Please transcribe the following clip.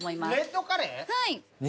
はい。